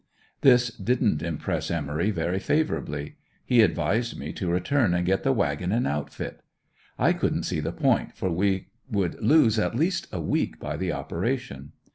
This didn't impress Emory very favorably. He advised me to return and get the wagon and outfit. I couldn't see the point, for we would lose at least a week by the operation.